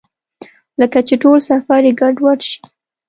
لکه چې ټول سفر مې ګډوډ شي.